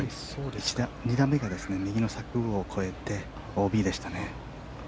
２打目が右の柵を越えてＯＢでしたね。